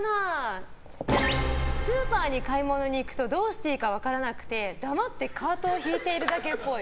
スーパーに買い物に行くとどうしていいか分からなくて黙ってカートを引いているだけっぽい。